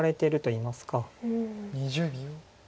２０秒。